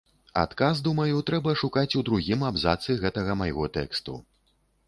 Адказ, думаю, трэба шукаць у другім абзацы гэтага майго тэксту.